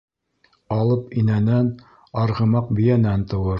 Алып инәнән, арғымаҡ бейәнән тыуыр.